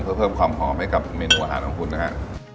เพื่อเพิ่มความหอมให้กับเมนูอาหารของคุณนะฮะ